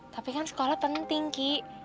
tapi kan sekolah penting ki